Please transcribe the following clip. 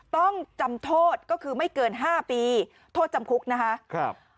ต้องจำโทษก็คือไม่เกิน๕ปีโทษจำคุกนะคะ